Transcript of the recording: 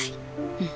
うん。